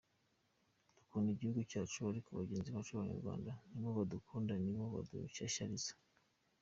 Dukunda igihugu cyacu ariko bagenzi bacu b’Abanyarwanda ni bo batadukunda, ni bo badushyashyariza.